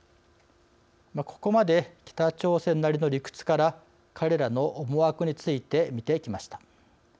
ここまで北朝鮮なりの理屈から彼らの思惑について見てきました。